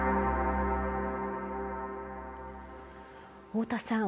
大田さん